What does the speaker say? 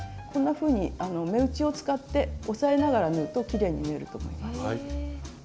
こんなふうに目打ちを使って押さえながら縫うときれいに縫えると思います。